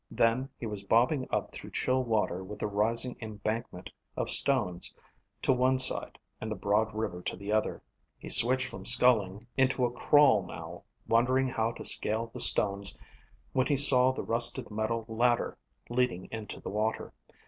Then he was bobbing up through chill water with the rising embankment of stones to one side and the broad river to the other. He switched from skulling into a crawl now, wondering how to scale the stones when he saw the rusted metal ladder leading into the water.